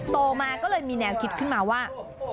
โตมาก็เลยมีแนวคิดขึ้นมาว่า